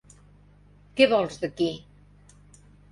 Què vols d'aquí?